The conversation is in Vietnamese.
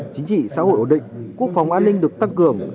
chính trị xã hội ổn định quốc phòng an ninh được tăng cường